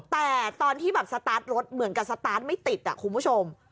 แต่ตอนที่แบบสตาร์ทรถเหมือนกับสตาร์ทไม่ติดคุณผู้ชม